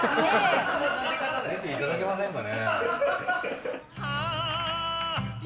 出ていただけませんかね。